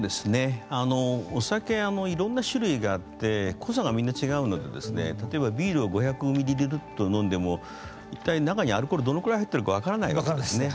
お酒いろんな種類があって濃さがみんな違うので例えば、ビールを５００ミリリットル飲んでも一体、中にアルコールがどれぐらい入っているか分からないわけですね。